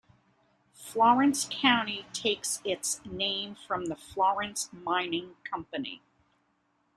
Florence County takes its name from the Florence Mining Company.